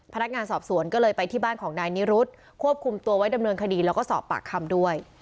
พนักงานสอบสวนก็เลยไปที่บ้านของนายนิรุธควบคุมตัวไว้ดำเนินคดีแล้วก็สอบปากคำด้วย